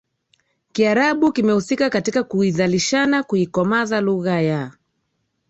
Kiarabu kimehusika katika kuizalishana kuikomaza lugha ya